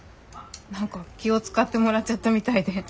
何か気を遣ってもらっちゃったみたいで。